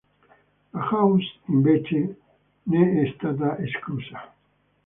La house invece ne è stata esclusa.